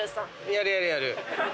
やるやるやる。